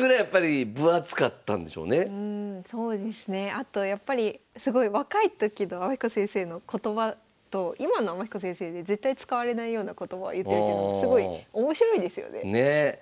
あとやっぱりすごい若い時の天彦先生の言葉と今の天彦先生で絶対使われないような言葉を言ってるっていうのもすごい面白いですよね。ね！